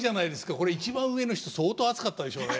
これ一番上の人相当熱かったでしょうね。